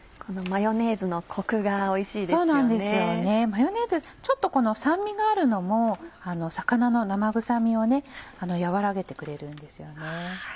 マヨネーズちょっとこの酸味があるのも魚の生臭みを和らげてくれるんですよね。